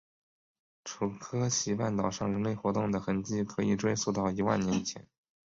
楚科奇半岛上人类活动的痕迹可以追溯到一万年以前。